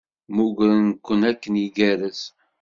Mmugren-ken akken igerrez.